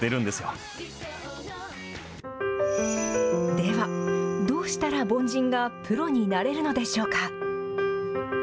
では、どうしたら凡人がプロになれるのでしょうか。